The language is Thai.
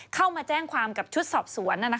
เข้ามาแจ้งความกับชุดสอบสวน